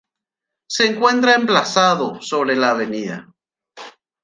Se encuentra emplazado sobre la Av.